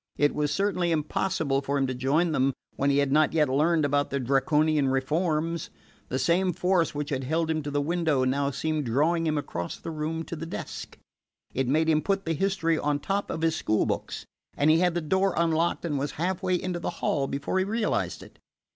It was certainly impossible for him to join them when he had not yet learned about the Draconian reforms. The same force which had held him to the window now seemed drawing him across the room to the desk. It made him put the history on top of his school books, and he had the door unlocked and was half way into the hall before he realized it.